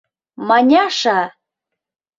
— Маняша!